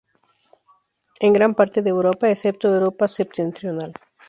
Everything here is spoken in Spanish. En gran parte de Europa, excepto Europa septentrional.